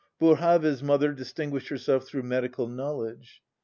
Boerhave's mother distinguished herself through medical knowledge."